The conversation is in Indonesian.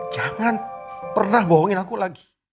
jangan pernah bohongin aku lagi